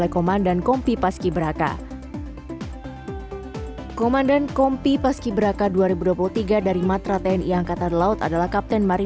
komandan kompi paskiberaka